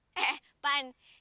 eh eh pan